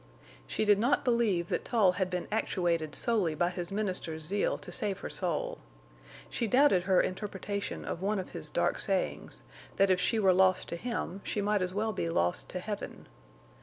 She did not believe that Tull had been actuated solely by his minister's zeal to save her soul. She doubted her interpretation of one of his dark sayings—that if she were lost to him she might as well be lost to heaven.